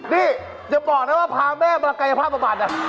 เดี๋ยวบอกนะว่าพาแม่มากัยภาพประบัน